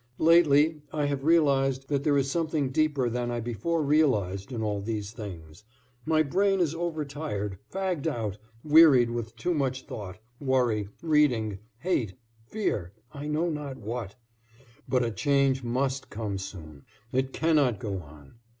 Lately I have realized that there is something deeper than I before realized in all these things. My brain is over tired, fagged out, wearied with too much thought, worry, reading, hate, fear I know not what but a change must come soon. It cannot go on.